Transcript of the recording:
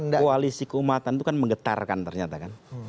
jadi kata koalisi keumatan itu kan menggetarkan ternyata kan